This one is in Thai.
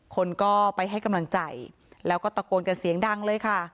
คนก็ไปให้กำลังใจแล้วก็ตะโกนกันเสียงดังเลยค่ะ